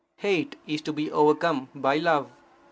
Hate is to be overcome by love.